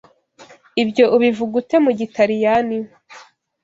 Ibyo ubivuga ute mu Gitaliyani?